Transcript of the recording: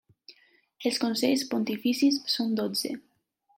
Els consells pontificis són dotze.